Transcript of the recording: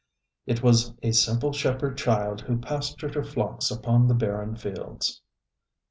ŌĆ£... It was a simple shepherd child who pastured her flocks upon the barren fields....